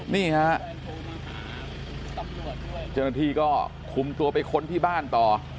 นี่ฮะเจ้าหน้าที่ก็คุมตัวไปค้นที่บ้านต่อ